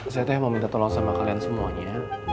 saya tuh mau minta tolong sama kalian semuanya